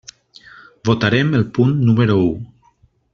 Votarem el punt número u.